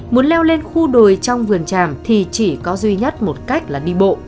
muốn leo lên khu đồi trong vườn tràm thì chỉ có duy nhất một cách là đi bộ